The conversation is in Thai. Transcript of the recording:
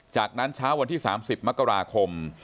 จากนั้นเช้าวันที่๓๐มกราคม